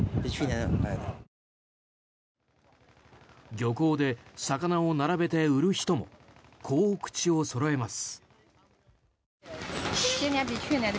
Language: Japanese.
漁港で魚を並べて売る人もこう口をそろえます。